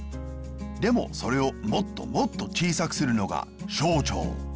でもそれをもっともっとちいさくするのが小腸。